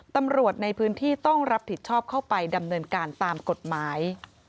ตำรวจในพื้นที่ต้องรับผิดชอบเข้าไปดำเนินการตามกฎหมาย